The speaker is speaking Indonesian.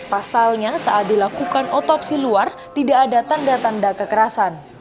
pasalnya saat dilakukan otopsi luar tidak ada tanda tanda kekerasan